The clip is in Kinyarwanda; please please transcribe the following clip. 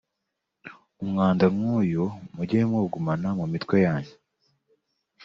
Umwanda nkuyu muge muwugumana mumitwe yanyu